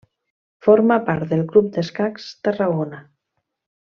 Forma part del Club Escacs Tarragona.